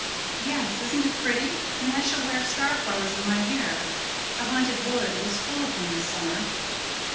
"Yes. Isn't it pretty? And I shall wear starflowers in my hair. The Haunted Wood is full of them this summer."